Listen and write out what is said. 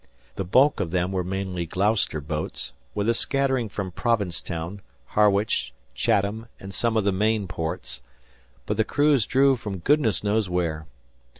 The bulk of them were mainly Gloucester boats, with a scattering from Provincetown, Harwich, Chatham, and some of the Maine ports, but the crews drew from goodness knows where.